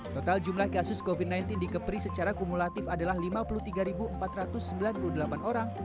total jumlah kasus covid sembilan belas di kepri secara kumulatif adalah lima puluh tiga empat ratus sembilan puluh delapan orang